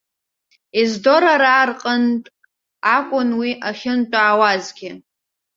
Ездорараа рҟынтә акәын уи ахьынтәааҩуазгьы.